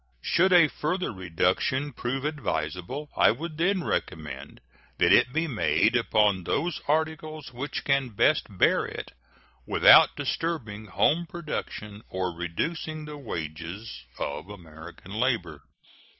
Should a further reduction prove advisable, I would then recommend that it be made upon those articles which can best bear it without disturbing home production or reducing the wages of American labor.